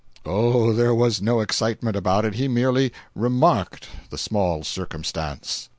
Oh, there was no excitement about it—he merely "remarked" the small circumstance!